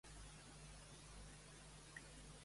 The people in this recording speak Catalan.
Què simbolitza Cuixart, segons ell?